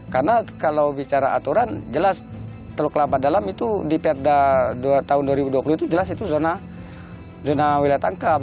karena kalau bicara aturan jelas teluk kelabat dalam itu di perda dua ribu dua puluh itu jelas itu zona wilayah tangkap